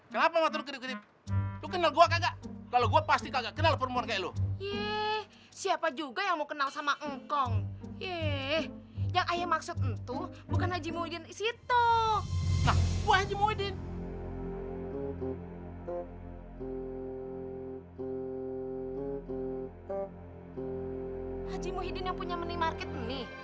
haji muhyiddin yang punya minimarket ini